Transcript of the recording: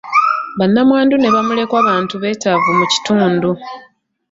Bannamwandu ne bamulekwa bantu beetaavu mu kitundu.